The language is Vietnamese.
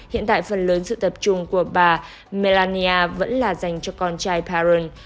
hiện tại phần lớn sự tập trung của bà melania vẫn là dành cho con trai parern